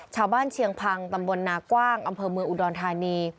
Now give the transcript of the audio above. ชาวบ้านเชียงพังตำบลนากว้างอำเภอมืออุดรทานี